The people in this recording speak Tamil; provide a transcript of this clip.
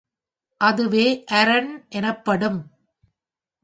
அதுவே அரண் எனப்படும்.